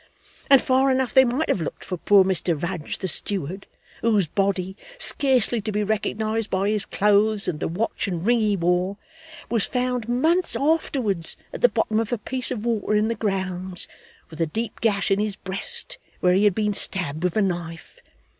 And far enough they might have looked for poor Mr Rudge the steward, whose body scarcely to be recognised by his clothes and the watch and ring he wore was found, months afterwards, at the bottom of a piece of water in the grounds, with a deep gash in the breast where he had been stabbed with a knife.